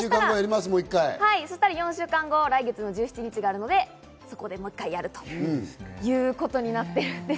そしたら４週間後、来月１７日があるので、そこでもう１回やるということになっています。